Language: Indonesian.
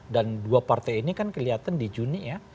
dan dua partai ini kan kelihatan di juni ya